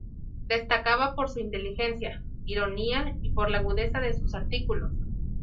Destacaba por su inteligencia, ironía y por la agudeza de sus artículos.